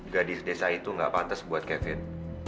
gadis desa itu gak pantas buat kevin